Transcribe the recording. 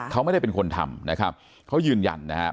เขาไม่ได้เป็นคนทำนะครับเขายืนยันนะครับ